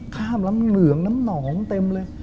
น้ำเหลืองน้ำหนองเต็มเลย